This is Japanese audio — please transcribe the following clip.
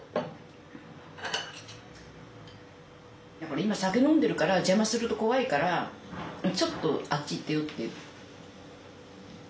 今酒飲んでるから邪魔すると怖いからちょっとあっち行ってよっていう。